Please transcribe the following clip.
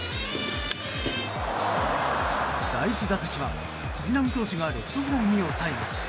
第１打席は藤浪投手がレフトフライに抑えます。